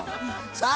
さあ